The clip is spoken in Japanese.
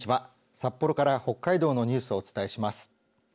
札幌から北海道のニュースをお伝えします。